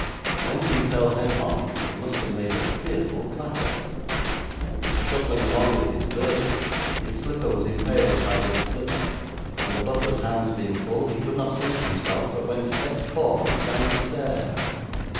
When he fell headlong he must have made a fearful clatter. Shuffling along with his burden, his slipper was impaled by this sliver, and the butler's hands being full, he could not save himself, but went head foremost down the stair.